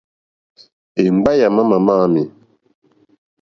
Èŋɡbâ yà má màmâ ámì.